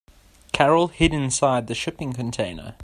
Carol hid inside the shipping container.